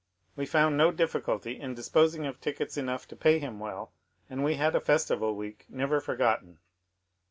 We found no difficulty in disposing of tickets enough to pay him well, and we had a festival week never forgotten.